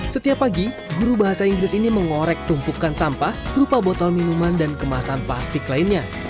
setiap pagi guru bahasa inggris ini mengorek tumpukan sampah berupa botol minuman dan kemasan plastik lainnya